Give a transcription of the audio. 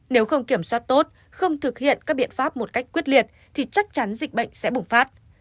nếu không kiểm soát tốt không thực hiện các biện pháp một cách quyết liệt thì chắc chắn dịch bệnh sẽ bùng phát